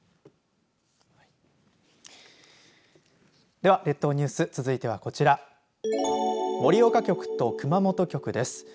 では列島ニュース続いてはこちら盛岡局と熊本局です。